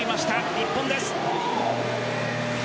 日本です。